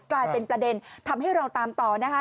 กลายเป็นประเด็นทำให้เราตามต่อนะคะ